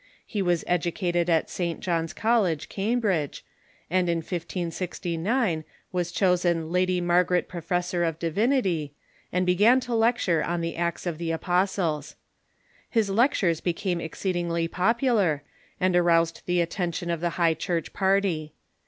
He was educated at St. John's College, Cambridge, and in 1569 was chosen Lady Alargaret Professor ot Divinity, and began to lecture on the Acts of the Apostles. His lectures became ex ceedingly popular, and aroused the attention of the High Church party.